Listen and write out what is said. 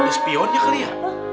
pada spionnya kali ya